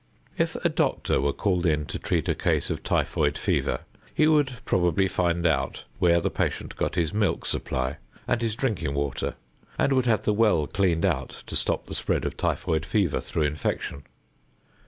If a doctor were called in to treat a case of typhoid fever, he would probably find out where the patient got his milk supply and his drinking water and would have the well cleaned out to stop the spread of typhoid fever through infection.